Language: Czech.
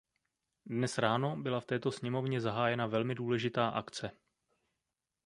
Dnes ráno byla v této sněmovně zahájena velmi důležitá akce.